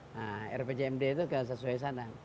nah rpjmd itu tidak sesuai sana